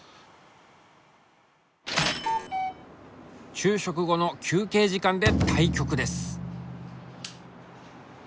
昼食後の休憩時間で対局です。